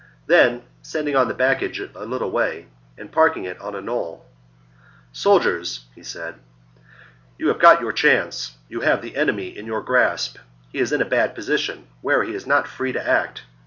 Then, sending on the baggage a little way and parking it on a knoll, "Soldiers," he said, "you have got your chance. You have the enemy in your grasp : he is in a bad position, where he is not free to act.